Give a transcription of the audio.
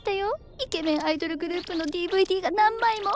イケメンアイドルグループのＤＶＤが何枚も。